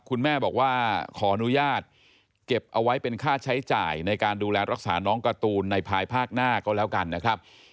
คุณแม่บอกว่าขออนุญาตเก็บเอาไว้เป็นค่าใช้จ่ายในการดูแลรักษาน้องการ์ตูนในภายภาคหน้าก็แล้วกันนะครับ